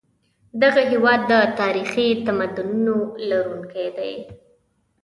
دغه هېواد د تاریخي تمدنونو لرونکی دی.